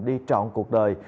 đi trọn cuộc đời